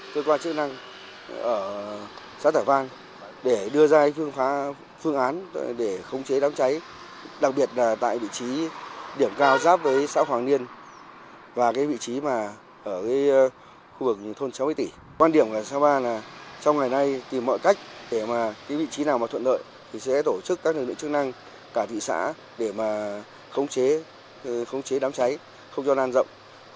trong ngày nay tìm mọi cách để mà cái vị trí nào mà thuận lợi thì sẽ tổ chức các lực lượng chức năng cả thị xã để mà khống chế đám cháy không cho lan rộng